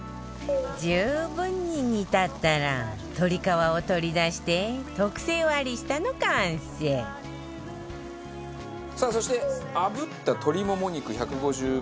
十分に煮立ったら鶏皮を取り出して特製割下の完成さあそしてあぶった鶏もも肉１５０グラム分を入れます。